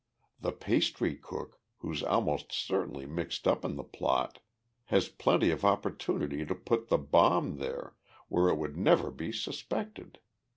The pastry cook, who's almost certainly mixed up in the plot, has plenty of opportunity to put the bomb there, where it would never be suspected.